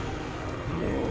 もう！